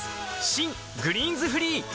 新「グリーンズフリー」